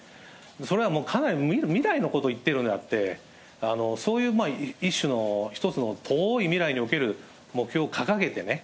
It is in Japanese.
それはもうかなり未来のことを言ってるんであって、そういう一種の一つの遠い未来における目標を掲げてね。